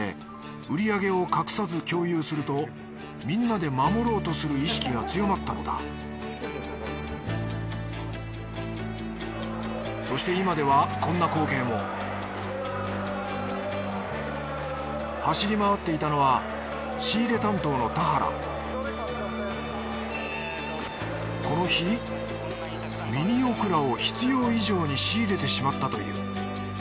売り上げを隠さず共有するとみんなで守ろうとする意識が強まったのだそして今ではこんな光景も走り回っていたのはこの日ミニオクラを必要以上に仕入れてしまったという。